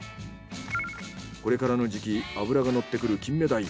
これからの時期脂がのってくるキンメダイ。